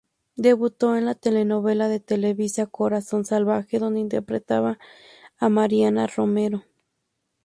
Debutó en la telenovela de Televisa "Corazón salvaje" donde interpretaba a Mariana Romero.